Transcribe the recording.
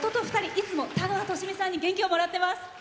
いつも田川寿美さんに元気をもらっています。